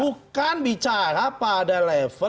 bukan bicara pada level